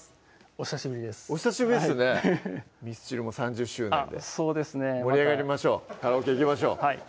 お久しぶりですお久しぶりですねミスチルも３０周年で盛り上がりましょうカラオケ行きましょうはい